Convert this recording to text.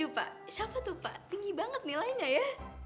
pak siapa tuh pak tinggi banget nilainya ya